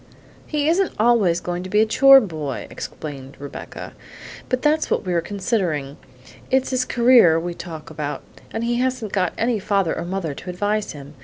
"He isn't always going to be a chore boy," explained Rebecca, "and that's what we're considering. It's his career we talk about, and he hasn't got any father or mother to advise him.